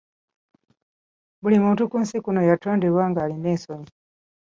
Buli muntu ku nsi kuno yatondebwa ngalina ensonyi.